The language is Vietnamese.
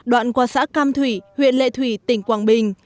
đoạn qua xã cam thủy huyện lệ thủy tỉnh quảng bình